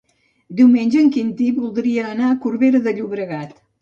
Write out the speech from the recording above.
Diumenge en Quintí voldria anar a Corbera de Llobregat.